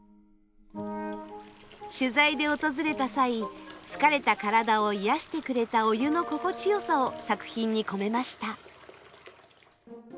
取材で訪れた際疲れた体を癒やしてくれたお湯の心地よさを作品に込めました。